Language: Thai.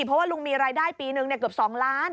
เพราะว่าลุงมีรายได้ปีนึงเกือบ๒ล้าน